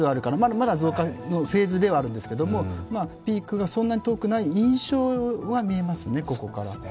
まだ増加のフェーズではあるんですけども、ピークがそんなに遠くない印象は見えますね、ここから。